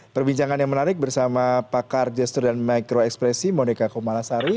perbincangan yang menarik bersama pakar gesture dan micro ekspresi monika kumarasari